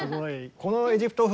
この「エジプト風」